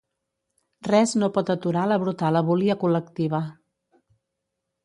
Res no pot aturar la brutal abúlia col·lectiva.